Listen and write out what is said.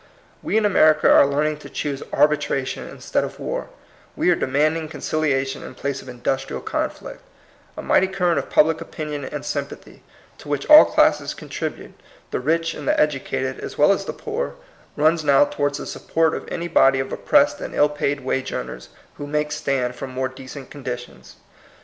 We in America are learning to choose arbitration instead of war; we are de manding conciliation in place of industrial conflict A mighty current of public opin ion and sympathy, to which all classes contribute, the rich and the educated as well as the poor, runs now towards the support of any body of oppressed and ill paid wage^amers who make stand for more decent conditions.